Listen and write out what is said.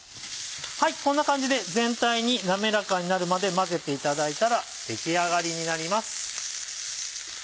こんな感じで全体に滑らかになるまで混ぜていただいたら出来上がりになります。